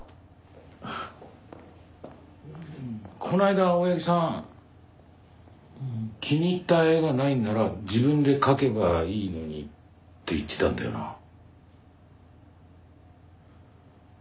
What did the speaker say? この間青柳さん「気に入った絵がないんなら自分で描けばいいのに」って言ってたんだよな。